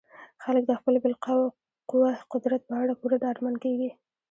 خلک د خپل بالقوه قدرت په اړه پوره ډاډمن کیږي.